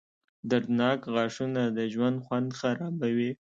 • دردناک غاښونه د ژوند خوند خرابوي.